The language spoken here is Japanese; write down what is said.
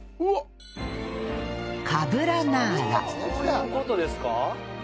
こういう事ですか？